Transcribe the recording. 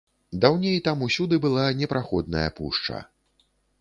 Даўней там усюды была непраходная пушча.